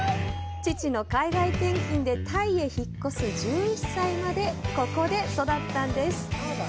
父の海外転勤でタイへ引っ越す１１歳までここで育ったんです。